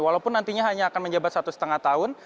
walaupun nantinya hanya akan menjabat satu setengah tahun